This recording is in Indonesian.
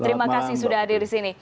terima kasih sudah hadir di sini